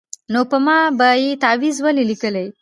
نو په ما به یې تعویذ ولي لیکلای